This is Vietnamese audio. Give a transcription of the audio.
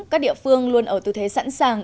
các địa phương luôn ở tư thế sẵn sàng